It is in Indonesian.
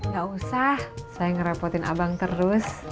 gak usah saya ngerepotin abang terus